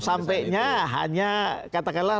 sampainya hanya katakanlah